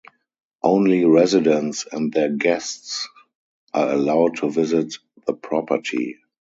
Only residents and their guests are allowed to visit the property.